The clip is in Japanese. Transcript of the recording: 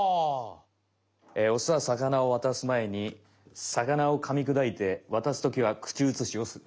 「オスは魚を渡す前に魚をかみくだいて渡すときは口うつしをする」。